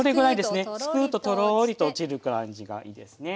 すくうととろりと落ちる感じがいいですね。